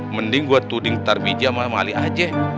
mending gue tuding tarbidiyah sama ali ajeh